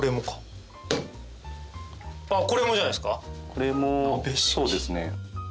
これもそうですね。